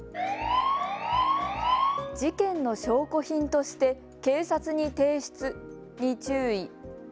事件の証拠品として警察に提出に注意。